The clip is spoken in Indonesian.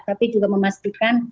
tapi juga memastikan